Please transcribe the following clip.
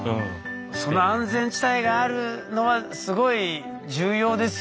その安全地帯があるのはすごい重要ですよね。